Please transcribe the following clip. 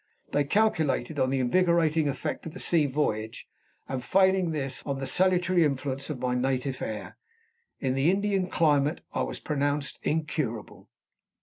They calculated on the invigorating effect of the sea voyage, and, failing this, on the salutary influence of my native air. In the Indian climate I was pronounced incurable.